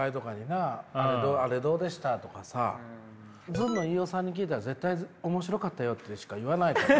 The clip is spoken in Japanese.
ずんの飯尾さんに聞いたら絶対「面白かったよ」としか言わないから。